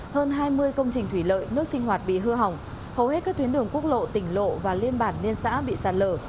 hơn hai mươi công trình thủy lợi nước sinh hoạt bị hư hỏng hầu hết các tuyến đường quốc lộ tỉnh lộ và liên bản liên xã bị sạt lở